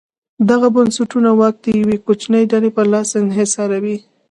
دغه بنسټونه واک د یوې کوچنۍ ډلې په لاس انحصاروي.